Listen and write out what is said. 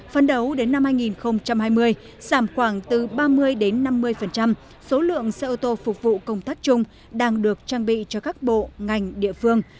phân đấu đến năm hai nghìn hai mươi giảm khoảng từ ba mươi đến năm mươi số lượng xe ô tô phục vụ công tác chung đang được trang bị cho các bộ ngành địa phương